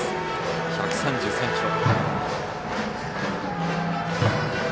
１３３キロ。